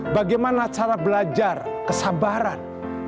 bagaimana cara belajar kesabaran